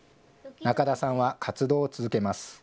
中田さんは活動を続けます。